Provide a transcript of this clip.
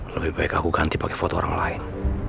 lebih baik aku ganti pakai foto orang lain